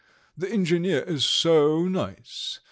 The engineer is so nice!